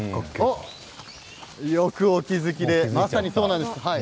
よくお気付きで。